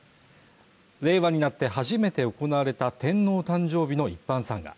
令和になって初めて行われた天皇誕生日の一般参賀。